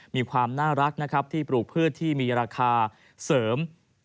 มีความน่ารักนะครับที่ปลูกพืชที่มีราคาเสริม